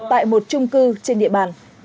tại một trung cư trên địa bàn